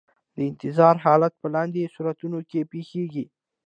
د انتظار حالت په لاندې صورتونو کې پیښیږي.